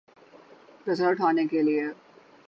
کچرا اٹھانے کے لیے۔